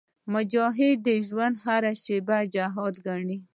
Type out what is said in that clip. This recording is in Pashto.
مجاهد د ژوند هره شېبه جهاد ګڼي.